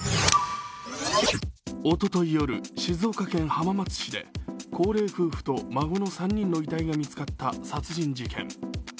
おととい夜、静岡県浜松市で高齢夫婦と孫の３人の遺体が見つかった殺人事件。